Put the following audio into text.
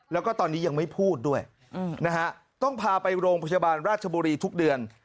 แล้วก็ตอนนี้ยังไม่พูดด้วยนะฮะต้องพาไปโรงพยาบาลราชบุรีทุกเดือน